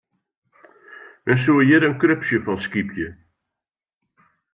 Men soe hjir in krupsje fan skypje.